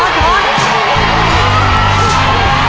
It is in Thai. เร็วไป